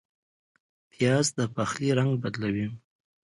پیاز د پخلي رنګ بدلوي